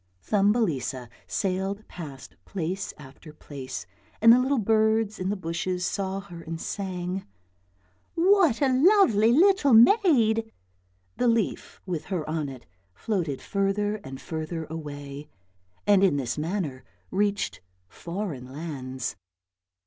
Thumbelisa sailed past place after place, and the little birds in the bushes saw her and sang, " what a lovely little maid." The leaf with her on it floated further and further away and in this manner reached foreign lands.